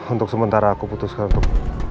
untuk sementara aku putuskan untuk